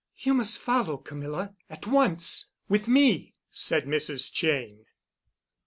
"You must follow, Camilla—at once—with me," said Mrs. Cheyne.